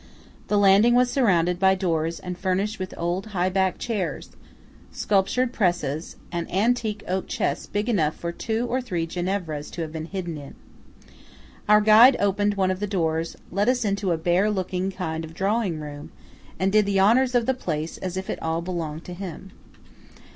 The landing was surrounded by doors and furnished with old high backed chairs, sculptured presses, and antique oak chests big enough for two or three Ginevras to have hidden in. Our guide opened one of the doors, led us into a bare looking kind of drawing room, and did the honours of the place as if it all belonged to him.